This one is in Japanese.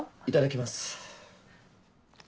いただきます。